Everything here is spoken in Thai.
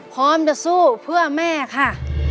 พร้อมจะสู้เพื่อแม่ค่ะ